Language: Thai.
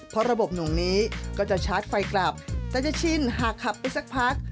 เพราะระบบหนุ่งนี้ก็จะชาร์จไฟกลับแต่จะชินหากขับไปสักพัก